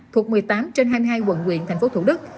thuộc một mươi tám trên hai mươi hai quận nguyện thành phố thủ đức